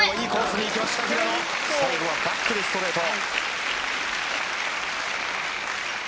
最後はバックにストレート。